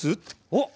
おっ！